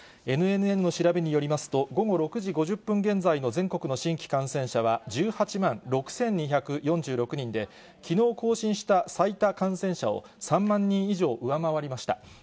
ＮＮＮの調べによりますと、午後６時５０分現在の全国の新規感染者は、１８万６２４６人で、きのう更新した最多感染者を３万人以上上回りました。